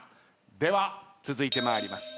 では続いて参ります。